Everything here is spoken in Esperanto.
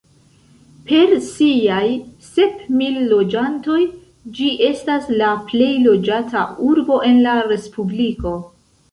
Per siaj sep mil loĝantoj ĝi estas la plej loĝata urbo en la respubliko.